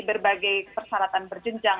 berbagai persyaratan berjenjang